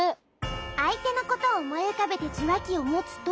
あいてのことをおもいうかべてじゅわきをもつと。